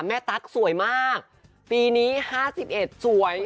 ตั๊กสวยมากปีนี้๕๑สวย